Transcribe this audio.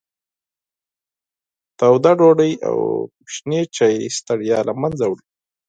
توده ډوډۍ او شین چای ستړیا له منځه وړي.